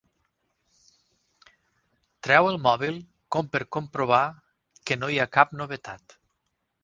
Treu el mòbil, com per comprovar que no hi ha cap novetat.